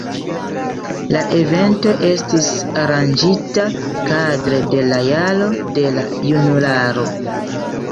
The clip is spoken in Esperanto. La evento estis aranĝita kadre de la Jaro de la Junularo.